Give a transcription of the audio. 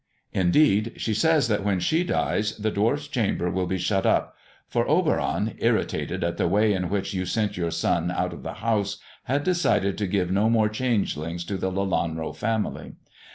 Indeed, she says that when she dies, the dwarf's chamber will be shut up, for Oberon, irritated at the way in which you sent your son out of the house, had decided to give no more changelings to the Lelanro family.